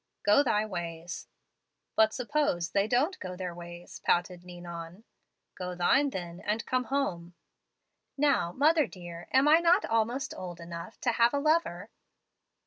Go thy ways.' "'But suppose they don't go their ways,' pouted Ninon. "'Go thine then, and come home.' "'Now, mother dear, am I not almost old enough to have a lover?'